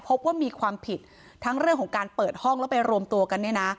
พบว่ามีความผิดทั้งเรื่องของการเปิดห้องแล้วไปรวมตัวกันเนี่ยนะ